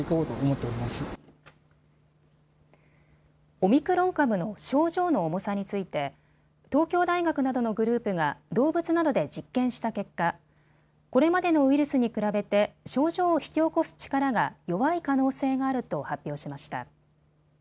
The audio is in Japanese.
オミクロン株の症状の重さについて東京大学などのグループが動物などで実験した結果、これまでのウイルスに比べて症状を引き起こす力が弱い可能性があると発表しました。